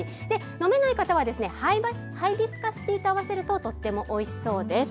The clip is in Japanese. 飲めない方はハイビスカスティーと合わせるととてもおいしそうです。